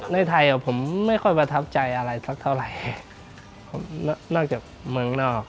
ในไทยผมไม่ค่อยประทับใจอะไรสักเท่าไหร่ผมนอกจากเมืองนอก